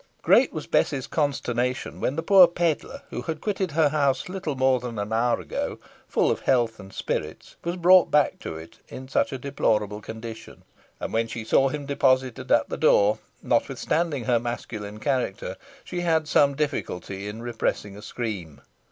Great was Bess's consternation when the poor pedlar, who had quitted her house little more than an hour ago, full of health and spirits, was brought back to it in such a deplorable condition; and when she saw him deposited at her door, notwithstanding her masculine character, she had some difficulty in repressing a scream.